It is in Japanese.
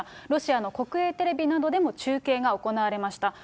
ロシアの国営テレビなどでも中継が行われました。